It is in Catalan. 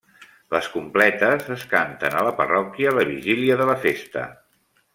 Les Completes es canten a la parròquia la vigília de la festa.